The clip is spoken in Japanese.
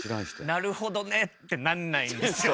なるほどねってなんないんですよ